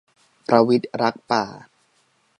ประวิตรรักป่า